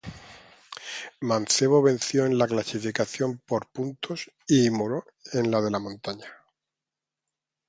Mancebo venció en la clasificación por puntos y Moreau en la de la montaña.